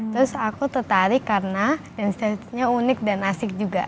terus aku tertarik karena dance dance nya unik dan asik juga